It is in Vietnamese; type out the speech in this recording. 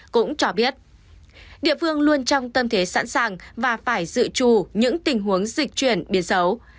cũng cho biết địa phương luôn trong tâm thế sẵn sàng và phải dự trù những tình huống dịch chuyển biến xấu